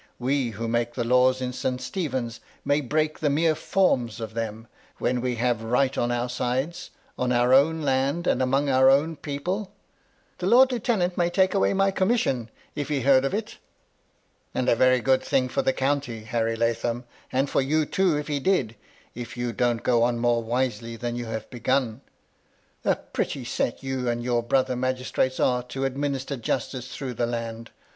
We, who make the laws in St. Stephen's, may break the mere forms of them, when we have right MY LADY LUDLOW. 59 on our sides, on our own land, and amongst our own people." " The lord lieutenant may take away my commission ^ if he heard of it." "And a very good thing for the county, Harry Lathom ; and for you too, if he did, — if you donH go on more wisely than you have begun. A pretty set you and your brother magistrates are to administer justice through the land!